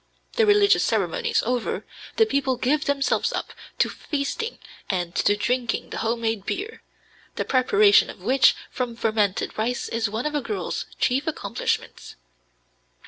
The religious ceremonies over, the people give themselves up to feasting and to drinking the home made beer, the preparation of which from fermented rice is one of a girl's chief accomplishments.